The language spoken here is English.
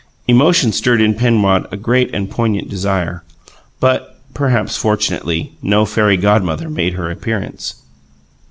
Emotion stirred in Penrod a great and poignant desire, but (perhaps fortunately) no fairy godmother made her appearance.